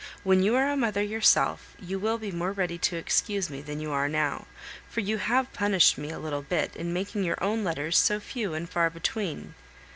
When you are a mother yourself, you will be more ready to excuse me, than you are now; for you have punished me a little bit in making your own letters so few and far between.